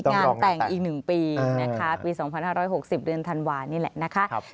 งานแต่งอีก๑ปีปี๒๕๖๐เดือนธันวาคมนี่แหละนะครับ